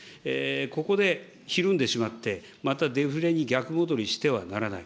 ここでひるんでしまって、またデフレに逆戻りしてはならない。